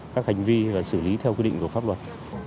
các hành vi và xử lý theo quy định của pháp luật